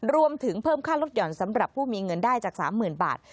รวมถึงเพิ่มค่าลดหย่อนสำหรับผู้มีเงินได้จาก๓๐๐๐บาท